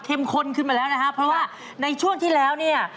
ข้นขึ้นมาแล้วนะฮะเพราะว่าในช่วงที่แล้วเนี่ย